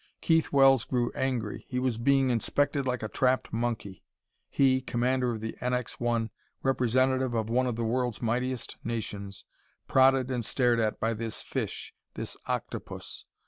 Keith Wells grew angry. He was being inspected like a trapped monkey! He, commander of the NX 1, representative of one of the world's mightiest nations prodded and stared at by this fish, this octopus!